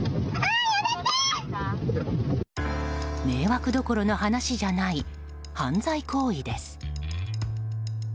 迷惑どころの話じゃない犯罪行為です。